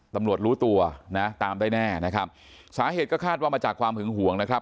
รู้ตัวนะตามได้แน่นะครับสาเหตุก็คาดว่ามาจากความหึงห่วงนะครับ